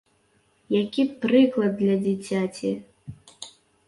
Які прыклад для дзіцяці!